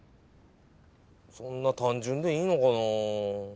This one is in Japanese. そんな単純でいいのかな。